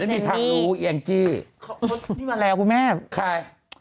อ๋อไม่มีทางให้มี